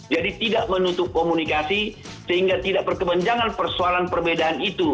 jadi tidak menutup komunikasi sehingga tidak berkepanjangan persoalan perbedaan itu